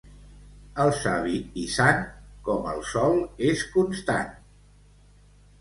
El savi i sant, com el sol és constant.